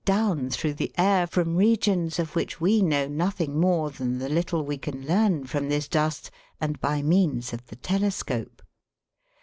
down through the air from regions of which we know nothing more than the little we can learn from this dust and by means of the telescope.